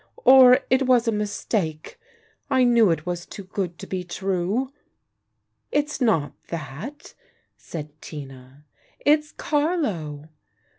"Or it was a mistake. I knew it was too good to be true." "It's not that," said Tina, "it's Carlo!"